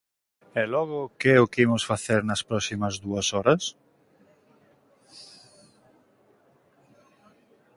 ¿E logo que é o que imos facer nas próximas dúas horas?